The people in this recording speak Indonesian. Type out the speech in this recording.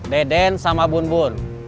deden sama bun bun